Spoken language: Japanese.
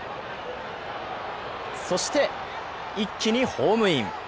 そして、一気にホームイン。